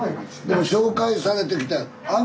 でも紹介されて来たん。